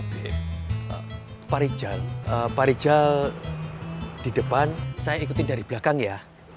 pak rijal pak rijal di depan saya ikuti dari belakang ya